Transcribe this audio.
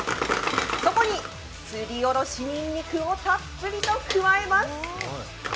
そこに、すりおろしにんにくをたっぷりと加えます。